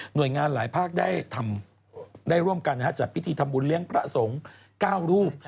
โดยงานหลายภาคได้ร่วมกันจัดพิธีทำบุญเลี้ยงพระสงฆ์๙รูป